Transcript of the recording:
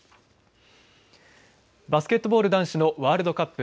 バスケットボール男子のワールドカップ。